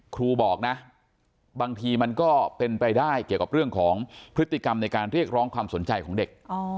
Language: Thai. ครูบอกนะบางทีมันก็เป็นไปได้เกี่ยวกับเรื่องของพฤติกรรมในการเรียกร้องความสนใจของเด็ก